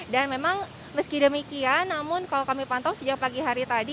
dan memang meski demikian namun kalau kami pantau sejak pagi hari tadi